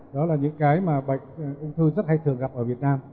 đó là những bệnh ung thư rất hay thường gặp ở việt nam